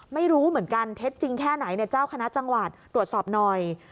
ไม่รู้เหมือนกันเท็จจริงแค่ไหนเจ้าคณะจังหวัดตรวจสอบหน่อย